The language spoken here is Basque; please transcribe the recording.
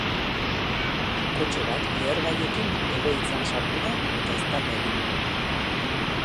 Kotxe bat lehergaiekin egoitzan sartu da eta eztanda egin du.